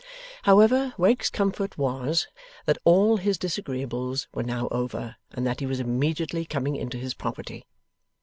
However, Wegg's comfort was, that all his disagreeables were now over, and that he was immediately coming into his property.